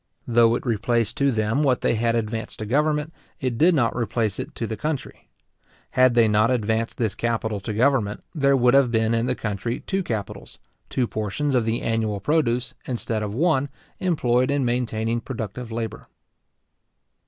Though it replaced to them what they had advanced to government, it did not replace it to the country. Had they not advanced this capital to government, there would have been in the country two capitals, two portions of the annual produce, instead of one, employed in maintaining productive labour.